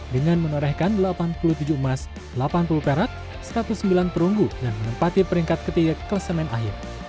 dengan menorehkan delapan puluh tujuh emas delapan puluh perak satu ratus sembilan perunggu dan menempati peringkat ketiga kelasemen akhir